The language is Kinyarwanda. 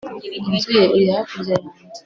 inzu ye iri hakurya yanjye